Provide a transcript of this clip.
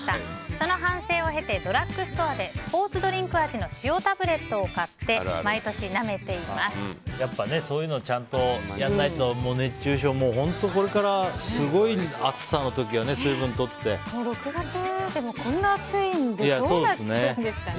その反省を経てドラッグストアでスポーツドリンク味の塩タブレットを買ってやっぱりそういうのちゃんとやらないと熱中症、本当にこれからすごい暑さの時はね６月でも、こんなに暑いのでどうなっちゃうんですかね。